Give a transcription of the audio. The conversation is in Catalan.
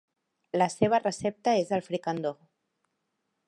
La seva recepta és el fricandó.